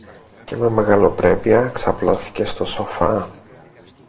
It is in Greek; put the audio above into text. Και με μεγαλοπρέπεια ξαπλώθηκε στο σοφά.